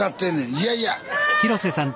いやいや。